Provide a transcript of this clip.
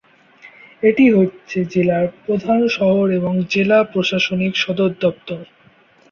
এটি হচ্ছে জেলার প্রধান শহর এবং জেলা প্রশাসনিক সদরদপ্তর।